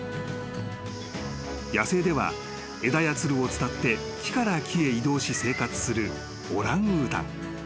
［野生では枝やつるを伝って木から木へ移動し生活するオランウータン］